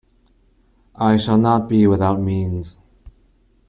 I shall not be without means.